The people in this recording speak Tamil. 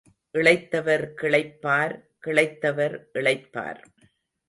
இளைத்தவர் கிளைப்பார் கிளைத்தவர் இளைப்பார்.